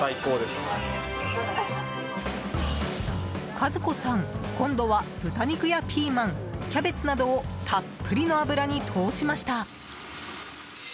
和子さん、今度は豚肉やピーマンキャベツなどをたっぷりの油に通しました。